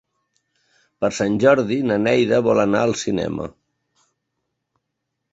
Per Sant Jordi na Neida vol anar al cinema.